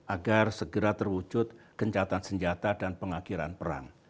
agar segera terwujud gencatan senjata dan pengakhiran perang